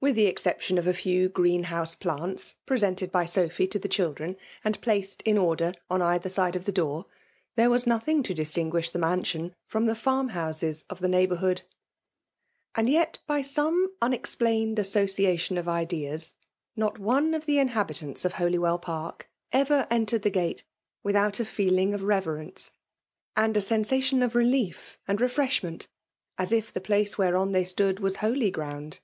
With the exception of a few greenhouse plants pre sented by Sophy to the children, and placed in order on either side the door, there was nothing to distinguish the mansion from the farm houses of the neighbourhood. And yet, by some unexplained assoeiation of ideas> not one of the inhabitants Of Holywell Park ever entered the gate^ without a feeling of rever ence, and a sensation of relief and refresh ment ; as if the place whereon they stood was holy ground.